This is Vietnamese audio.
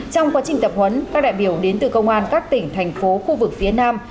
trong quá trình tập huấn các đại biểu đến từ công an các tỉnh thành phố khu vực phía nam